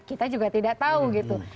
kita juga tidak tahu gitu